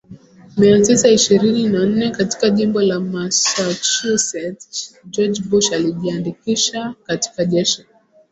mia tisa ishirini na nne katika jimbo la Massachusetts George Bush alijiandikisha katika Jeshi